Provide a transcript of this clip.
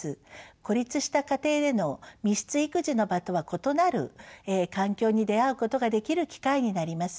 孤立した家庭での密室育児の場とは異なる環境に出会うことができる機会になります。